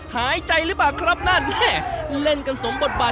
หายใจหรือเปล่าครับนั่นเล่นกันสมบทบาทอย่างน้อย